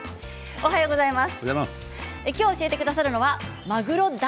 おはようございます。